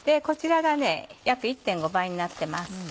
こちらが約１．５倍になってます。